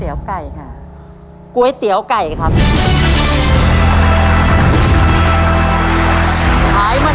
เพื่อชิงทุนต่อชีวิตสูงสุด๑ล้านบาท